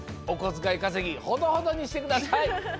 おこづかいかせぎほどほどにしてください。